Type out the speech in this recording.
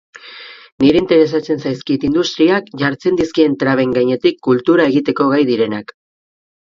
Niri interesatzen zaizkit industriak jartzen dizkien traben gainetik kultura egiteko gai direnak.